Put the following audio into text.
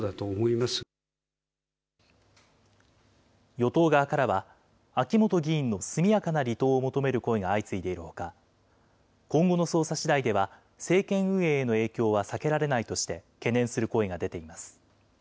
与党側からは、秋本議員の速やかな離党を求める声相次いでいるほか、今後の捜査しだいでは、政権運営への影響は避けられないとして、懸念する声が出ています。